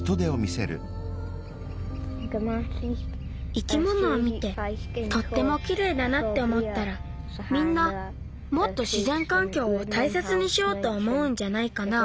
生き物を見てとってもきれいだなっておもったらみんなもっとしぜんかんきょうをたいせつにしようとおもうんじゃないかな。